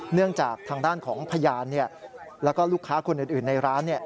เนื่องจากทางด้านของพยานแล้วก็ลูกค้าคนอื่นในร้าน